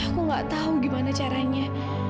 aku nggak tahu gimana caranya